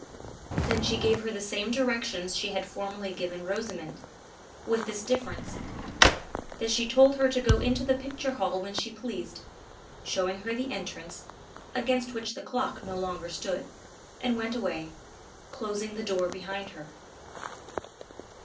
She then gave her the same directions she had formerly given Rosamond—with this difference, that she told her to go into the picture hall when she pleased, showing her the entrance, against which the clock no longer stood—and went away, closing the door behind her.